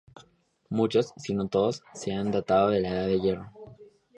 Muchos, si no todos, se han datado en la Edad de Hierro.